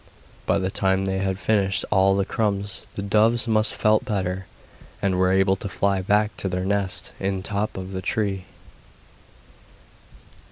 By the time they had finished all the crumbs the doves felt must better, and were able to fly back to their nest in the top of a tree.